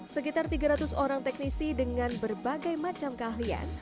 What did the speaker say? sekitar tiga ratus orang teknisi dengan berbagai macam keahlian